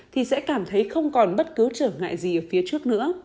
thì sẽ cảm thấy không còn bất cứ trở ngại gì ở phía trước nữa